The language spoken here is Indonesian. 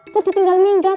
kok ditinggal minggat